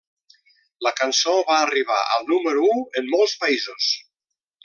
La cançó va arribar al número u en molts països.